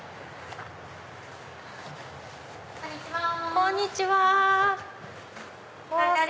こんにちは。